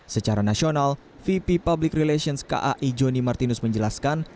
secara nasional vp public relations kai joni martinus menjelaskan